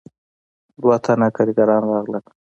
دوه تنه کارګران راغلل.